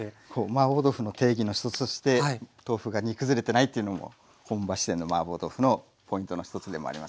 マーボー豆腐の定義の１つとして豆腐が煮くずれてないっていうのも本場四川のマーボー豆腐のポイントの１つでもありますね。